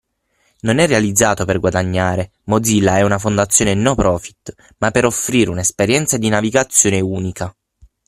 Non è realizzato per guadagnare (Mozilla è una fondazione no profit), ma per offrire un'esperienza di navigazione unica.